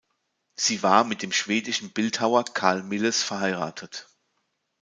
Sie war mit dem schwedischen Bildhauer Carl Milles verheiratet.